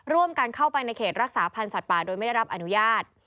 ร่วมกันเข้าไปในเขตรักษาพันธ์สัตว์ป่าโดยไม่ได้รับอนุญาต